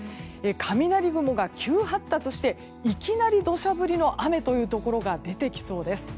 雷雲が急発達して、いきなり土砂降りの雨というところが出てきそうです。